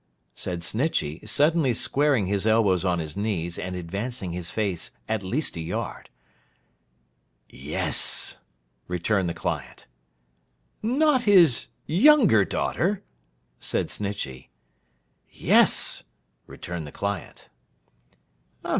said Snitchey, suddenly squaring his elbows on his knees, and advancing his face at least a yard. 'Yes!' returned the client. 'Not his younger daughter?' said Snitchey. 'Yes!' returned the client. 'Mr.